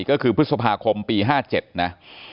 ก็คือพฤษภาคมปี๕๗นะ